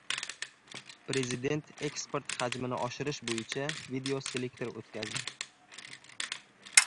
Prezident eksport hajmini oshirish bo‘yicha videoselektor o‘tkazdi